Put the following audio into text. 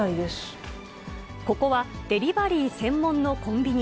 ここはデリバリー専門のコンビニ。